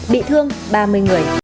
bị thương ba mươi người